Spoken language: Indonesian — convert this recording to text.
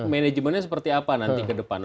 manajemennya seperti apa nanti ke depan